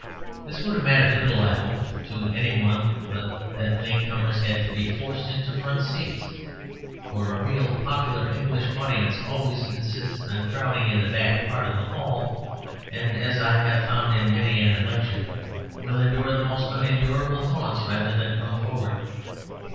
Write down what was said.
This would have mattered little, I hope, to any one, but that late comers had to be forced into front seats. For a real popular English audience always insists on crowding in the back part of the hall; and (as I have found in many an election) will endure the most unendurable taunts rather than come forward.